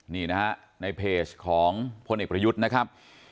นี่นะฮะในเพจของพลเอกประยุทธ์นะครับ